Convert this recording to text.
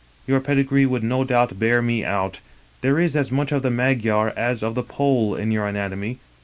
Your pedigree would no doubt bear me out: there is as much of the Magyar as of the Pole in your anatomy.